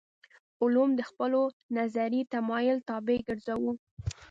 علوم د خپلو نظري تمایل طابع ګرځوو.